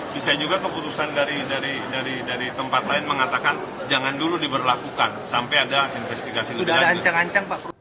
bisa juga keputusan dari tempat lain mengatakan jangan dulu diberlakukan sampai ada investigasi